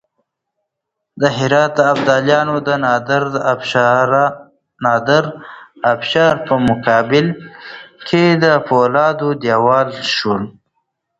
د هرات ابدالیان د نادرافشار په مقابل کې د فولادو دېوال شول.